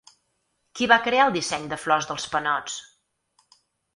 Qui va crear el disseny de flors dels panots?